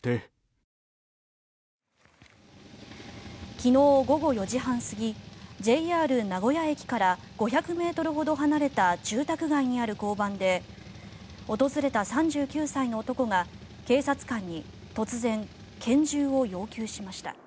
昨日午後４時半過ぎＪＲ名古屋駅から５００ｍほど離れた住宅街にある交番で訪れた３９歳の男が、警察官に突然、拳銃を要求しました。